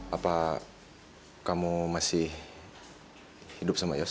apa kamu masih hidup sama yos